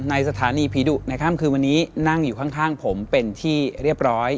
สถานีผีดุในค่ำคืนวันนี้นั่งอยู่ข้างผมเป็นที่เรียบร้อย